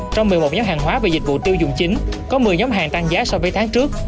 trong một mươi một nhóm hàng hóa và dịch vụ tiêu dùng chính có một mươi nhóm hàng tăng giá so với tháng trước